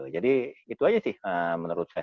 jadi itu aja sih menurut saya